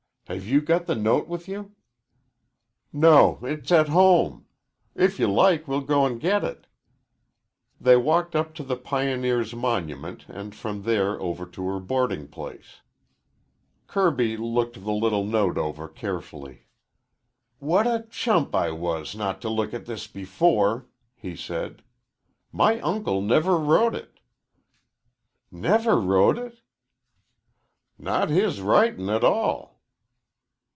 Have you got the note with you?" "No. It's at home. If you like we'll go and get it." They walked up to the Pioneers' Monument and from there over to her boarding place. Kirby looked the little note over carefully. "What a chump I was not to look at this before," he said. "My uncle never wrote it." "Never wrote it?" "Not his writin' a tall."